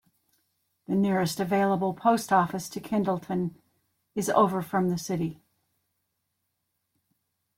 The nearest available post office to Kendleton is over from the city.